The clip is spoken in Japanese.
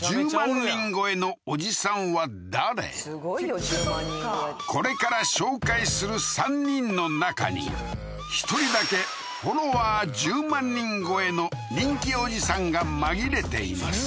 人超えってこれから紹介する３人の中に１人だけフォロワー１０万人超えの人気おじさんが紛れています